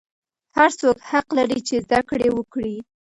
هر څوک حق لري چې زده کړې وکړي.